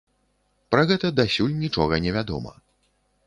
Пра гэта дасюль нічога невядома.